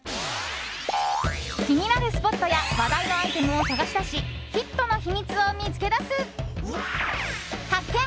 気になるスポットや話題のアイテムを探し出しヒットの秘密を見つけ出す発見！